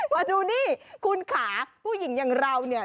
มันรู้นี้คุณขาผู้หญิงอย่างเราเนี่ย